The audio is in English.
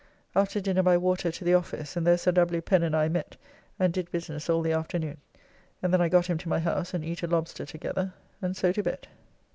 After dinner by water to the office, and there Sir W. Pen and I met and did business all the afternoon, and then I got him to my house and eat a lobster together, and so to bed.